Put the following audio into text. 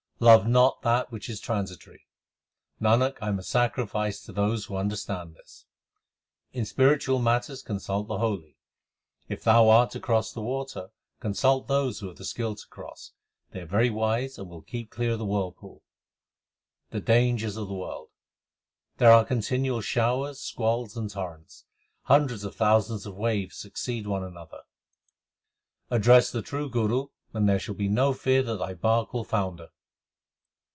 Love not that which is transitory ; Nanak, I am a sacrifice to those who understand this. In spiritual matters consult the holy : If thou art to cross the water, consult those who have the skill to cross : They are very wise and will keep clear of the whirlpool. The dangers of the world : There are continual showers, squalls, and tonvnts hundreds of thousands of waves succeed one another. 1 Dohidichai. Literally make a proclamation to depart. 380 THE SIKH RELIGION Address the True Guru, and there shall be no fear that thy bark will founder.